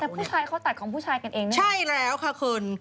แต่ผู้ชายเขาตัดของผู้ชายกันเองนะใช่แล้วค่ะคุณ